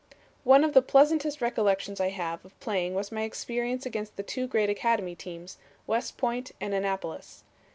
"One of the pleasantest recollections I have of playing was my experience against the two great academy teams, West Point and Annapolis.